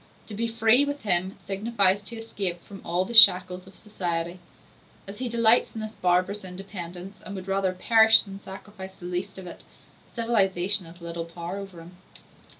To be free, with him, signifies to escape from all the shackles of society. As he delights in this barbarous independence, and would rather perish than sacrifice the least part of it, civilization has little power over him.